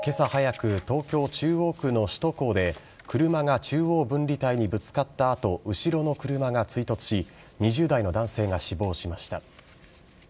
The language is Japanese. けさ早く、東京・中央区の首都高で、車が中央分離帯にぶつかったあと、後ろの車が追突し、２０代の男性が死亡しました。